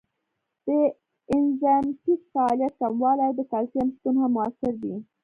د انزایمټیک فعالیت کموالی او د کلسیم شتون هم مؤثر دی.